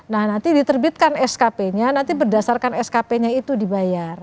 nah nanti diterbitkan skp nya nanti berdasarkan skp nya itu dibayar